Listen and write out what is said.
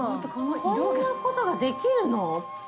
こんなことができるの？